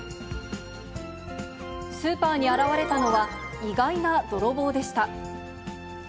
スーパーに現れたのは、意外な泥棒でした。